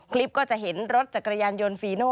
คลิปก็จะเห็นรถจักรยานยนต์ฟีโน่